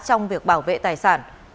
trong việc bảo vệ tài sản